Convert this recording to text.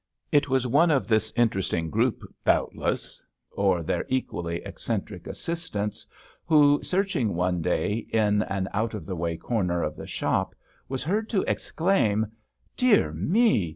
It was one of this interesting group, doubtless, or their equally eccentric assistants who, searching one day in an out of the way corner of the shop, was heard to exclaim : "Dear me!